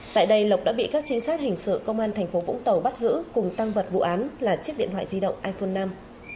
tại đây lộc đã bị các trinh sát hình sự công an thành phố vũng tàu bắt giữ cùng tăng vật vụ án là chiếc điện thoại di động iphone năm